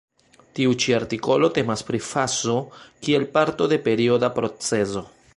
Tiu ĉi artikolo temas pri fazo kiel parto de perioda procezo.